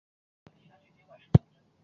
由五十七名司铎名管理三十一个堂区。